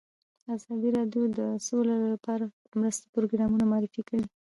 ازادي راډیو د سوله لپاره د مرستو پروګرامونه معرفي کړي.